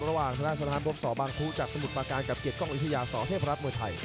ระหว่างสถานบริษัทบรมศบางครูจากสมุทรปาการกับเกียรติกล้องอยุธยาสอเทพรัฐมวยไทย